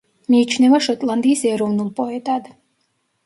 მიიჩნევა შოტლანდიის ეროვნულ პოეტად.